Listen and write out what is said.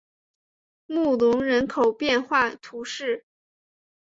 穆龙人口变化图示